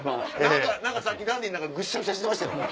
何かさっきダンディぐしゃぐしゃしてましたよ。